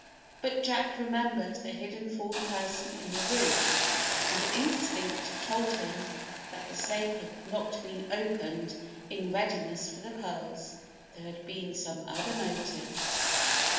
But Jack remembered the hidden fourth person in the room, and instinct told him that the safe had not been opened in readiness for the pearls. There had been some other motive.